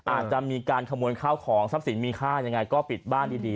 อาจจะมีการขโมยข้าวของทรัพย์สินมีค่ายังไงก็ปิดบ้านดี